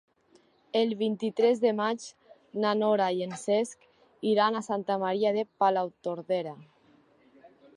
El vint-i-tres de maig na Nora i en Cesc iran a Santa Maria de Palautordera.